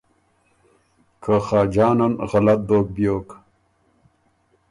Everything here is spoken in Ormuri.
که خاجان ان غلط دوک بیوک۔